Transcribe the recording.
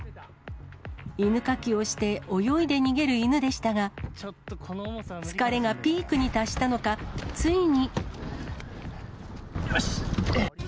犬かきをして泳いで逃げる犬でしたが、疲れがピークに達したのか、よし！